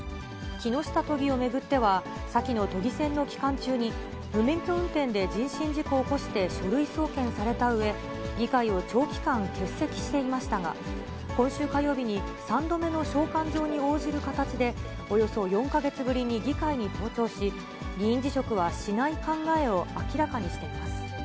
木下都議を巡っては、先の都議選の期間中に、無免許運転で人身事故を起こして書類送検されたうえ、議会を長期間欠席していましたが、今週火曜日に３度目の召喚状に応じる形で、およそ４か月ぶりに議会に登庁し、議員辞職はしない考えを明らかにしています。